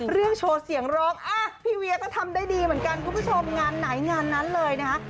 โชว์เสียงร้องพี่เวียก็ทำได้ดีเหมือนกันคุณผู้ชมงานไหนงานนั้นเลยนะคะ